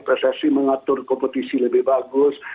pssi mengatur kompetisi lebih bagus